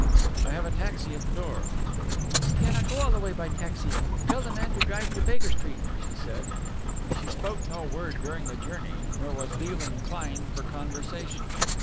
"I have a taxi at the door." "We cannot go all the way by taxi. Tell the man to drive to Baker Street," she said. She spoke no word during the journey, nor was Beale inclined for conversation.